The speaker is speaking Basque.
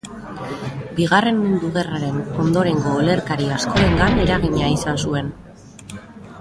Bigarren Mundu Gerraren ondorengo olerkari askorengan eragina izan zuen.